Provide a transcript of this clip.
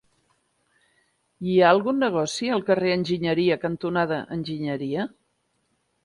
Hi ha algun negoci al carrer Enginyeria cantonada Enginyeria?